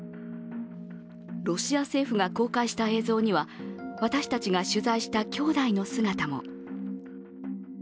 ロシア政府が公開した映像には私たちが取材したきょうだいの姿も。